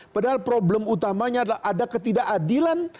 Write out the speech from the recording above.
padahal problem utamanya adalah ada ketidakadilan